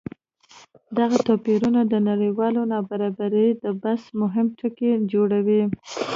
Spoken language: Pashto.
دغه توپیرونه د نړیوالې نابرابرۍ د بحث مهم ټکی جوړوي.